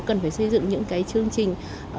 cần phải xây dựng những cái chương trình